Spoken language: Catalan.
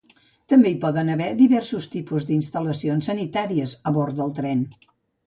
També hi poden haver diversos tipus d'instal·lacions sanitàries a bord del tren.